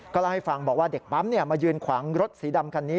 เล่าให้ฟังบอกว่าเด็กปั๊มมายืนขวางรถสีดำคันนี้